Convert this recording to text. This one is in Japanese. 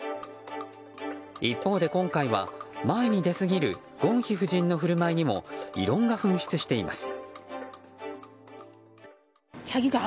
一方で今回は、前に出すぎるゴンヒ夫人の振る舞いにも異論が噴出しています。